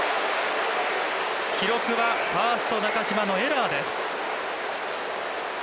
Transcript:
記録はファースト中島のエラーです。